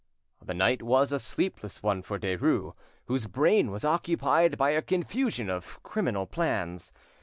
The night was a sleepless one for Derues, whose brain was occupied by a confusion of criminal plans.